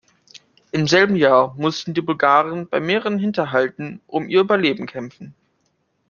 Im selben Jahr mussten die Bulgaren bei mehreren Hinterhalten um ihr Überleben kämpfen.